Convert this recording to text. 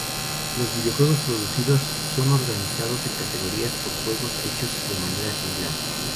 Los videojuegos producidos son organizados en categorías por juegos hechos de manera similar.